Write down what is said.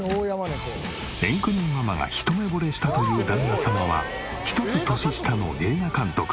エンクミママが一目惚れしたという旦那様は１つ年下の映画監督。